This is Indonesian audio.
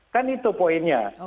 kan itu poinnya